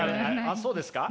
あっそうですか？